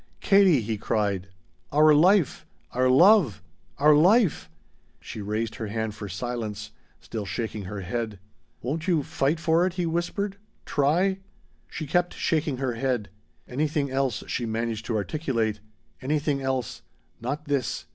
"Katie!" he cried. "Our life our love our life " She raised her hand for silence, still shaking her head. "Won't you fight for it?" he whispered. "Try?" She kept shaking her head. "Anything else," she managed to articulate. "Anything else. Not this.